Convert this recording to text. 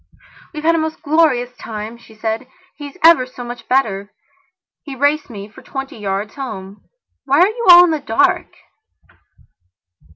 "We've had a most glorious time," she said. "He's ever so much better. He raced me for twenty yards home. Why are you all in the dark?"